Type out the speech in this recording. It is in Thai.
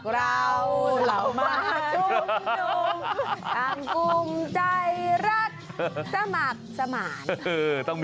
พวกเราเหล่ามาชุมยุมทางกลุ่มใจรักสมัครสมาน